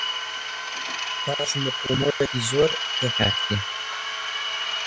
پاش مقۆمقۆیەکی زۆر، پێک هاتین.